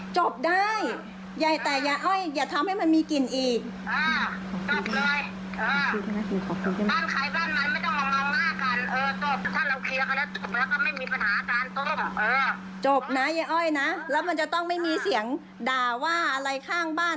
จบนะเย้อ้อยนะแล้วมันจะต้องไม่มีเสียงด่าว่าอะไรข้างบ้าน